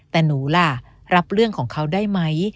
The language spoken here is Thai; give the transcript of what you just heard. แต่หนูล่ะรับเรื่องของเขาได้ไหม